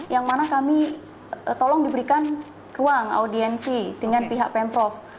yang mana kami tolong diberikan ruang audiensi dengan pihak pemprov